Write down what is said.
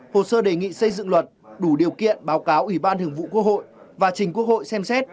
hồ sơ đề nghị xây dựng luật đủ điều kiện báo cáo ủy ban thường vụ quốc hội và trình quốc hội xem xét